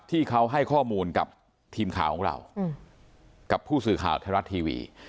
ที่เขาให้ข้อมูลกับทีมข่าวของเรากับผู้สื่อข่าวไทยรัฐทีวี